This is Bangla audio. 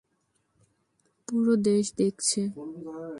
পুরো দেশ দেখছে।